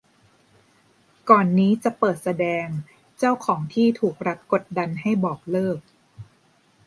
ก่อนนี้จะเปิดแสดง เจ้าของที่ถูกรัฐกดดันให้บอกเลิก